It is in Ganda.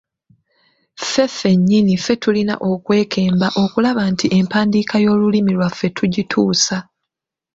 Ffe ffennyini ffe tulina okwekemba okulaba nti empandiika y’Olulimi lwaffe tugituusa.